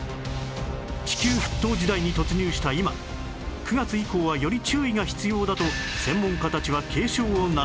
地球沸騰時代に突入した今９月以降はより注意が必要だと専門家たちは警鐘を鳴らす